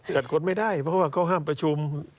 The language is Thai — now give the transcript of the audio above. จัดคนไม่ได้เพราะว่าเขาห้ามประชุม